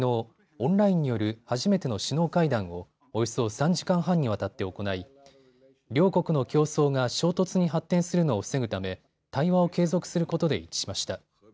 オンラインによる初めての首脳会談をおよそ３時間半にわたって行い両国の競争が衝突に発展するのを防ぐため対話を継続することで一致しました。